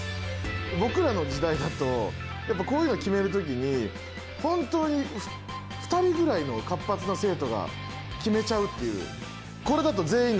僕らの時代だとやっぱこういうの決める時に本当に２人ぐらいの活発な生徒が決めちゃうっていう。